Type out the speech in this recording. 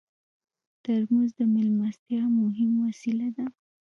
ترموز د میلمستیا مهم وسیله ده.